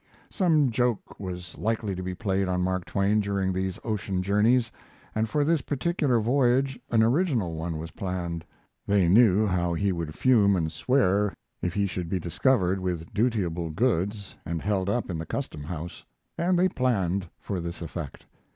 ] Some joke was likely to be played on Mark Twain during these ocean journeys, and for this particular voyage an original one was planned. They knew how he would fume and swear if he should be discovered with dutiable goods and held up in the Custom House, and they planned for this effect.